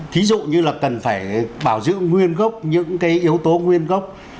thí dụ như là cần phải bảo giữ nguyên gốc những cái yếu tố nguyên gốc